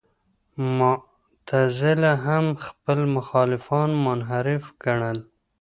معتزله هم خپل مخالفان منحرف ګڼل.